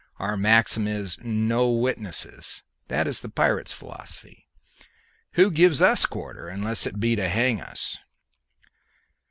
Our maxim is, 'No witnesses!' That is the pirate's philosophy. Who gives us quarter unless it be to hang us?